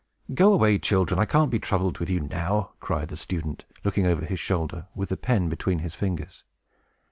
"Go away, children! I can't be troubled with you now!" cried the student, looking over his shoulder, with the pen between his fingers.